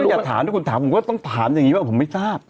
อย่าถามถ้าคุณถามผมก็ต้องถามอย่างนี้ว่าผมไม่ทราบ